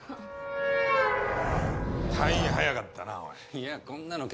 退院早かったな。